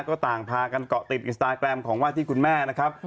ก็ต่างพากันเกาะติดอินสตาแกรมของว่าที่คุณแม่นะครับ